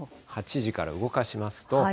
８時から動かしますと。